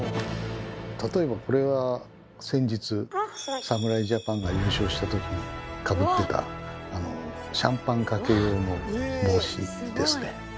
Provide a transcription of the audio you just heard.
例えばこれは先日侍ジャパンが優勝した時にかぶってたシャンパンかけ用の帽子ですね。